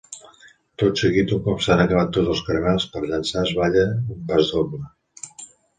Tot seguit, un cop s'han acabat tots els caramels per llançar es balla un pasdoble.